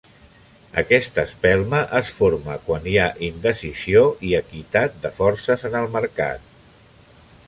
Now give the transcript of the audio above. Aquesta espelma es forma quan hi ha indecisió i equitat de forces en el mercat.